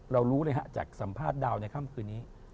รู้เลยฮะจากสัมภาษณ์ดาวในค่ำคืนนี้